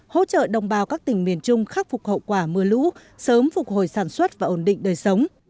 hỗ trợ đồng bào các tỉnh miền trung khắc phục hậu quả mưa lũ sớm phục hồi sản xuất và ổn định đời sống